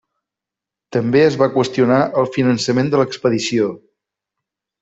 També es va qüestionar el finançament de l’expedició.